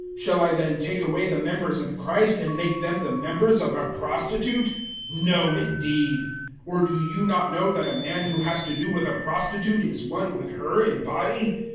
Shall I then take away the members of Christ and make them the members of a prostitute? No, indeed. 006:016 Or do you not know that a man who has to do with a prostitute is one with her in body?